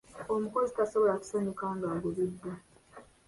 Omukozi tasobola kusanyuka ng'agobeddwa.